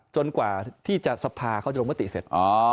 จนกว่าที่จะศภาเขาจะโรงประติเสร็จ